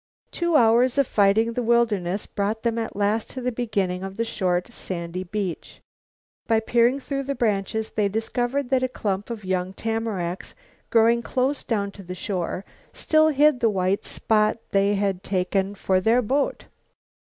Two hours of fighting the wilderness brought them at last to the beginning of the short, sandy beach. By peering through the branches they discovered that a clump of young tamaracks, growing close down to the shore, still hid the white spot they had taken for their boat.